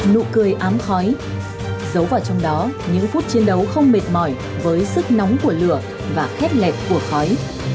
nụ cười ám khói giấu vào trong đó những phút chiến đấu không mệt mỏi với sức nóng của lửa và khét lẹt của khói